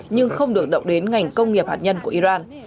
nhưng không được động đến ngành công nghiệp hạt nhân của iran